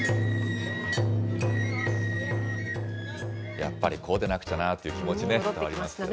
やっぱりこうでなくちゃなという気持ちね。